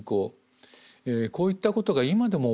こういったことが今でも起こるんですね。